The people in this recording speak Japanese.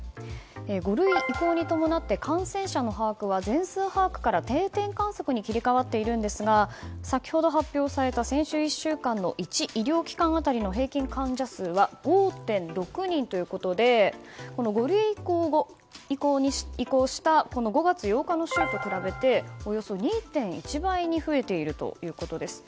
５類移行に伴って感染者の把握は全数把握から定点観測に切り替わっているんですが先ほど発表された、先週１週間の１医療機関当たりの平均患者数は５．６人ということで５類に移行した５月８日の週に比べておよそ２．１倍に増えているということです。